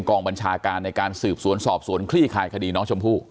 กองบัญชาการในการสืบสวนสอบสวนคลี่คลายคดีน้องชมพู่